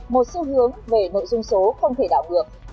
một xu hướng về nội dung số không thể đảo ngược